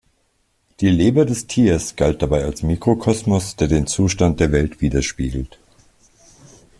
Die Leber des Tiers galt dabei als Mikrokosmos, der den Zustand der Welt widerspiegelt.